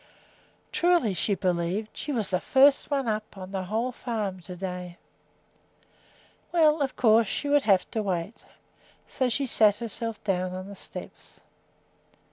Truly, she believed she was the first one up on the whole farm to day. Well, of course she would have to wait. So she sat herself down on the steps.